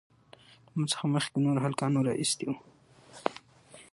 له ما څخه مخکې نورو هلکانو رااېستى وو.